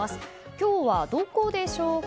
今日はどこでしょうか？